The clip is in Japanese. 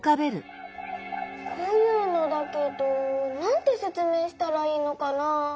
こういうのだけどなんてせつめいしたらいいのかな？